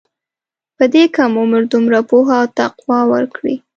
په دې کم عمر دومره پوهه او تقوی ورکړې.